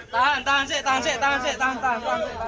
tahan tahan tahan